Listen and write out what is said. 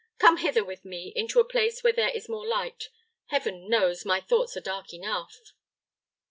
Come hither with me into a place where there is more light. Heaven knows, my thoughts are dark enough."